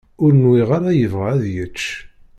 Ur nwiɣ ara yebɣa ad yečč.